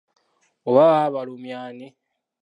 Oba baba balumya ani?